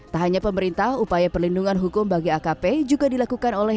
tak hanya pemerintah upaya perlindungan hukum bagi akp juga dilakukan oleh